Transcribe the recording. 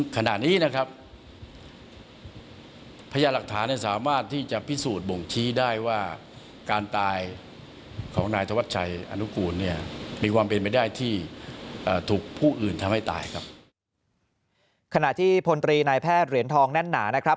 ขณะที่พลตรีนายแพทย์เหรียญทองแน่นหนานะครับ